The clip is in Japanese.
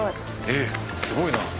すごいな。